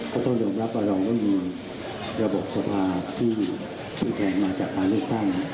ก็ต้องยอมรับว่าเรามีระบบสภาพที่ใช้แข่งมาจากาเลกตั้ง